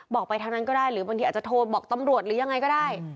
ไปทางนั้นก็ได้หรือบางทีอาจจะโทรบอกตำรวจหรือยังไงก็ได้